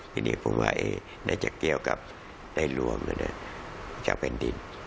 ทีนี้ผมว่าน่าจะเกี่ยวกับในหลวงจากแผ่นดิน